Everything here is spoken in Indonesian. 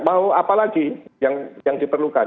mau apa lagi yang diperlukan